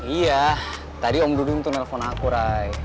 iya tadi om dudung tuh nelfon aku rai